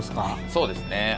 そうですね。